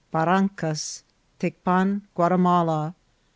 — Barrancas.— Tecpan Guatimala.